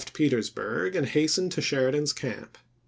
5' Petersburg and hastened to Sheridan's camp.